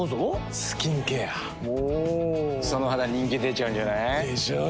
その肌人気出ちゃうんじゃない？でしょう。